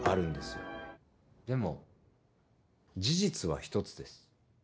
「でも事実は１つです」